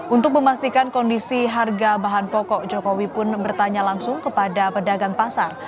untuk memastikan kondisi harga bahan pokok jokowi pun bertanya langsung kepada pedagang pasar